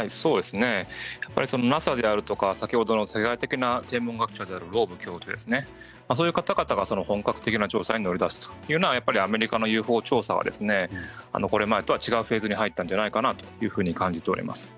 ＮＡＳＡであるとか先ほどの世界的な天文学者のローブ教授そういう方々が本格的な調査に乗り出すというのはアメリカのＵＦＯ調査がこれまでと違うステージに入ったんじゃないかなと感じております。